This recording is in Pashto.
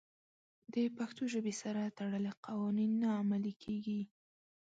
د پښتو ژبې سره تړلي قوانین نه عملي کېږي.